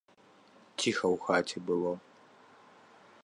Ціха ў хаце было.